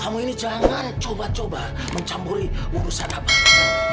kamu ini jangan coba coba mencampuri urusan apa